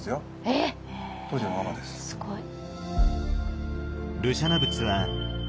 えすごい。